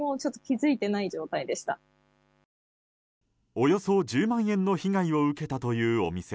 およそ１０万円の被害を受けたというお店。